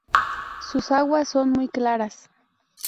Sus aguas son muy claras.